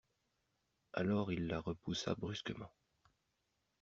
Alors il la repoussa brusquement.